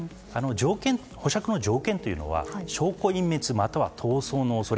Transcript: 保釈の条件というのは証拠隠滅または逃走の恐れ。